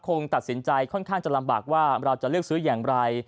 คงตัดสินใจค่อนข้างจะลำบากว่าเราจะเลือกซื้ออย่างไร